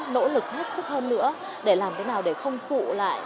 nỗ lực hết sức hơn nữa để làm thế nào để không phụ lại